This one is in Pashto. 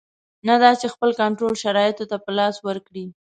نه دا چې خپل کنټرول شرایطو ته په لاس ورکړي.